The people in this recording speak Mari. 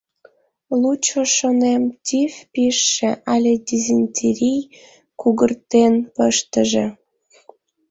Лучо, шонем, тиф пижше, але дизентерий кугыртен пыштыже.